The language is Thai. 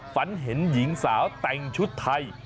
ฝันเห็นหญิงสาวแต่งชุดไทย